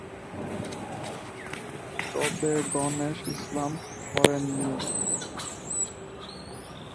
তবে গণেশ ইসলাম করেননি।